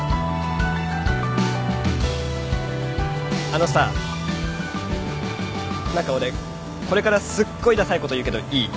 あのさ何か俺これからすっごいださいこと言うけどいい？